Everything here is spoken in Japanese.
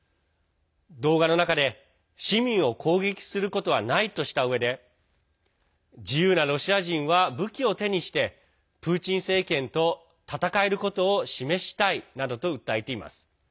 動画の中で市民を攻撃することはないとしたうえで自由なロシア人は武器を手にしてプーチン政権と戦えることを示したいなどと訴えています。